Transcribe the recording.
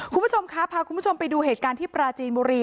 คุณผู้ชมครับพาคุณผู้ชมไปดูเหตุการณ์ที่ปราจีนบุรี